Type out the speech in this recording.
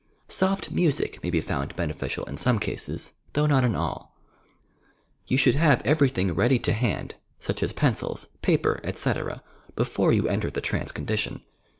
Soft music may be found beneficial in some cases, though not in all. You should have everything ready to band — such as pencils, paper, etc.— before you enter the trance condi tion.